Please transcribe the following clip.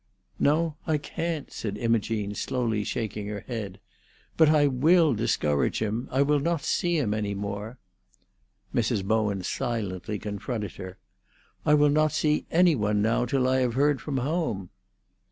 "No, I can't," said Imogene, slowly shaking her head. "But I will discourage him; I will not see him anymore." Mrs. Bowen silently confronted her. "I will not see any one now till I have heard from home."